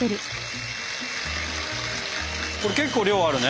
これ結構量あるね。